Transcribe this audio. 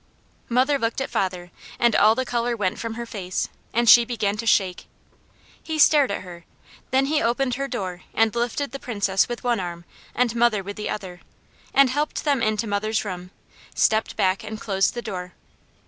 Mother looked at father and all the colour went from her face, and she began to shake. He stared at her, then he opened her door and lifted the Princess with one arm, and mother with the other, and helped them into mother's room, stepped back and closed the door.